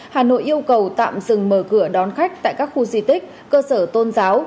hà nội yêu cầu tạm dừng mở cửa đón khách tại các khu di tích cơ sở tôn giáo